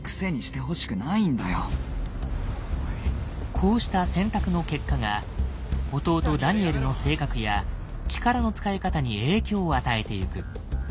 こうした選択の結果が弟ダニエルの性格や力の使い方に影響を与えてゆく。